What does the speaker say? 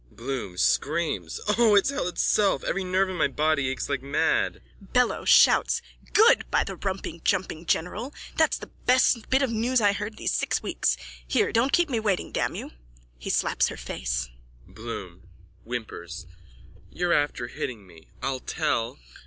BLOOM: O, it's hell itself! Every nerve in my body aches like mad! BELLO: (Shouts.) Good, by the rumping jumping general! That's the best bit of news I heard these six weeks. Here, don't keep me waiting, damn you! (He slaps her face.) BLOOM: (Whimpers.) You're after hitting me. I'll tell...